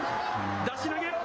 出し投げ。